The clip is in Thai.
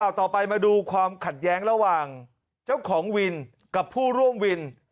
ต่อไปมาดูความขัดแย้งระหว่างเจ้าของวินกับผู้ร่วมวิน